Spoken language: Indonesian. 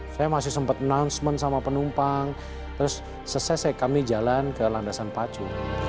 saya masih sempat announcement sama penumpang terus selesai kami jalan ke landasan pacu